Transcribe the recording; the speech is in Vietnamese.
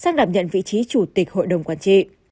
xác đảm nhận vị trí chủ tịch hội đồng quản trị